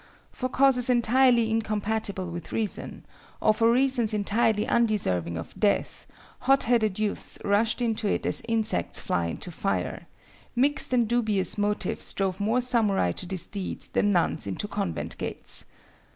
For causes entirely incompatible with reason, or for reasons entirely undeserving of death, hot headed youths rushed into it as insects fly into fire; mixed and dubious motives drove more samurai to this deed than nuns into convent gates.